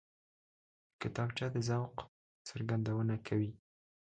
کتابچه د ذوق څرګندونه کوي